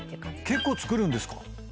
結構作るんですか？